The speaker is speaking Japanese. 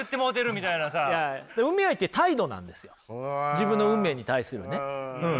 自分の運命に対するねうん。